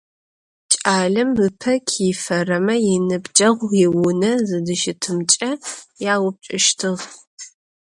Кӏалэм ыпэ кифэрэмэ иныбджэгъу иунэ зыдыщытымкӏэ яупчӏыщтыгъ.